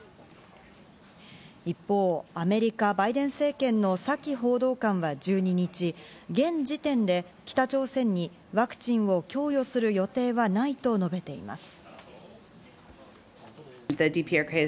一方、アメリカ・バイデン政権のサキ報道官は１２日、現時点で北朝鮮にワクチンを供与する予定はないと述べています。